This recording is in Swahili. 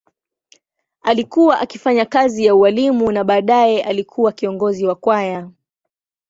Alikuwa akifanya kazi ya ualimu na baadaye alikuwa kiongozi wa kwaya.